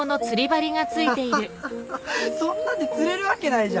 ハハハハそんなんで釣れるわけないじゃん。